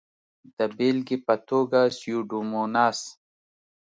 د بېلګې په توګه سیوډوموناس.